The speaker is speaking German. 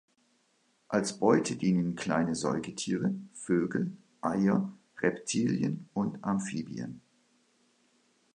Als Beute dienen kleine Säugetiere, Vögel, Eier, Reptilien und Amphibien.